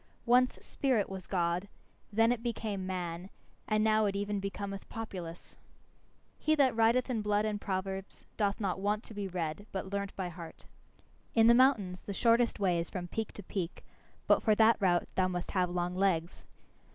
Once spirit was God, then it became man, and now it even becometh populace. He that writeth in blood and proverbs doth not want to be read, but learnt by heart. In the mountains the shortest way is from peak to peak, but for that route thou must have long legs.